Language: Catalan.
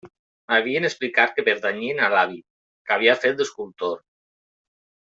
M'havien explicat que pertanyien a l'avi, que havia fet d'escultor.